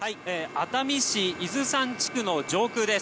熱海市伊豆山地区の上空です。